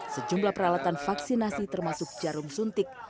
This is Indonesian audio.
sejumlah peralatan vaksinasi termasuk jarum suntik